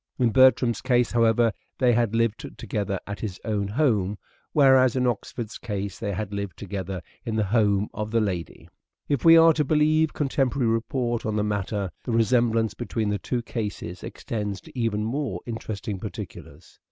In Bertram's case, however, they had lived together at his own home, whereas in Oxford's case they had lived together in the home of the lady. If we are to believe con temporary report on the matter the resemblance between the two cases extends to even more interesting particulars.